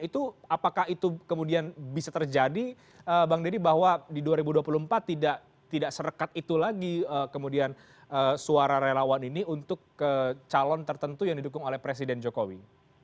itu apakah itu kemudian bisa terjadi bang deddy bahwa di dua ribu dua puluh empat tidak serekat itu lagi kemudian suara relawan ini untuk calon tertentu yang didukung oleh presiden jokowi